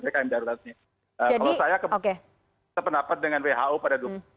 kalau saya sependapat dengan who pada dua ribu dua puluh